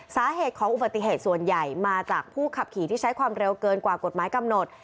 สาเหตุของอุบัติเหตุส่วนใหญ่มาจากผู้ขับขี่ที่ใช้ความเร็วเกินกว่ากฎหมายกำหนด